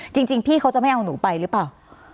จริงพี่เขาจะไม่เอาหนูไปหรือเปล่า